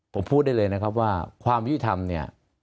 ผมพูดได้เลยนะครับว่าความยุติธรรมเนี่ย